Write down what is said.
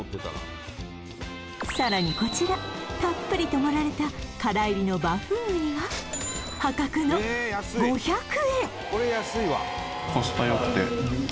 さらにこちらたっぷりと盛られた殻入りのバフンウニは破格の５００円